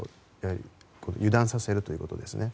油断させるということですね。